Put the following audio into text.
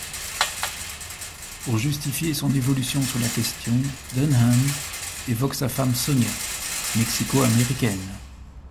Pour justifier son évolution sur la question, Dunham évoque sa femme Sonia, mexico-américaine.